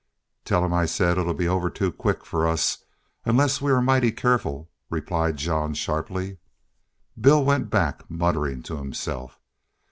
"Tell him I said it'll be over too quick for us unless are mighty careful," replied Jean, sharply. Bill went back muttering to himself.